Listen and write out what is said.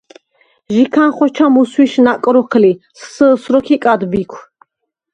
ჟიქან ხოჩა მუსვიშ ნაკ როქ ლი: “სსჷს” როქ იკად ბიქვ.